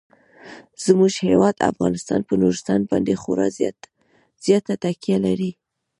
زموږ هیواد افغانستان په نورستان باندې خورا زیاته تکیه لري.